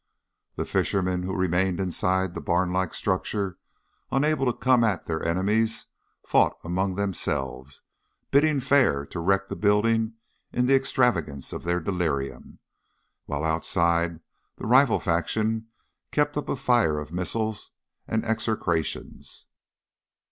The fishermen who remained inside the barnlike structure, unable to come at their enemies, fought among themselves, bidding fair to wreck the building in the extravagance of their delirium, while outside the rival faction kept up a fire of missiles and execrations.